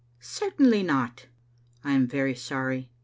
"Certainly not." " I am very sorry.